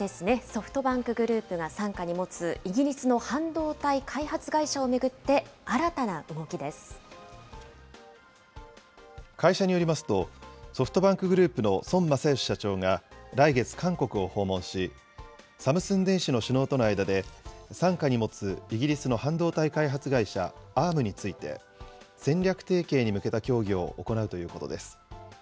ソフトバンクグループが傘下に持つイギリスの半導体開発会社を巡会社によりますと、ソフトバンクグループの孫正義社長が来月、韓国を訪問し、サムスン電子の首脳との間で、傘下に持つイギリスの半導体開発会社、Ａｒｍについて、戦略提携に向けた協議を行うということです。